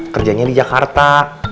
kerjanya di jakarta